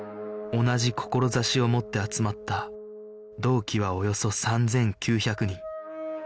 同じ志を持って集まった同期はおよそ３９００人